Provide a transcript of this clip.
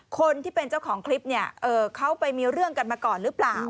คนที่เป็นเจ้าของคลิปเนี่ยเขาไปมีเรื่องกันมาก่อนหรือเปล่า